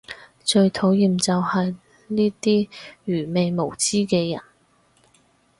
最討厭就係呢啲愚昧無知嘅人